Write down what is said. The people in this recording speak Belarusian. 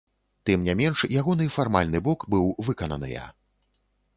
Тым не менш, ягоны фармальны бок быў выкананыя.